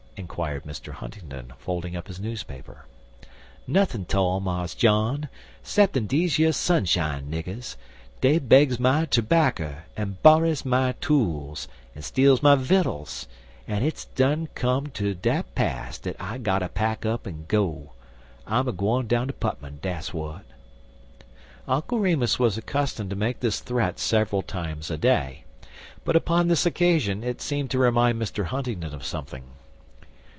inquired Mr. Huntingdon, folding up his newspaper. "Nuthin' 'tall, Mars John, 'ceppin deze yer sunshine niggers. Dey begs my terbacker, en borrys my tools, en steals my vittles, en hit's done come ter dat pass dat I gotter pack up en go. I'm agwine down ter Putmon, dat's w'at." Uncle Remus was accustomed to make this threat several times a day, but upon this occasion it seemed to remind Mr. Huntingdon of something.